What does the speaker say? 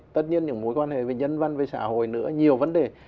tất nhiên những mối quan hệ về nhân văn về xã hội nữa nhiều vấn đề